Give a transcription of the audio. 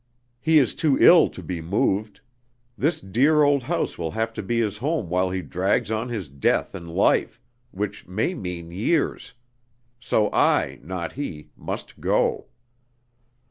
He is too ill to be moved. This dear old house will have to be his home while he drags on his death in life which may mean years. So I, not he, must go.